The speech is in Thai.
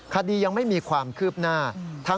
คดียังไม่มีความคืบหน้า